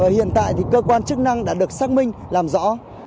hiện tại cơ quan chức năng đã được xác minh làm rõ